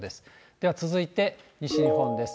では続いて西日本です。